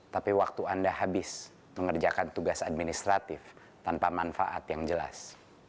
tapi waktu anda habis mengerjakan tugas administratif tanpa manfaat yang jelas